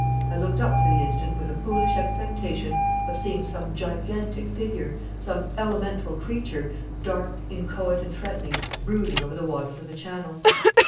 I looked up for the instant with a foolish expectation of seeing some gigantic figure, some elemental creature, dark, inchoate, and threatening, brooding over the waters of the Channel.